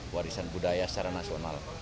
warisan budaya secara nasional